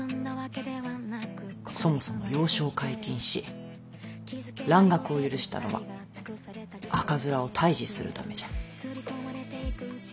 そもそも洋書を解禁し蘭学を許したのは赤面を退治するためじゃ。